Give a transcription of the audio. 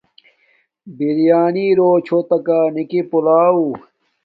بِریݳنݵ رݸچھݸتَکݳ نِکݵ پُلݳݸ؟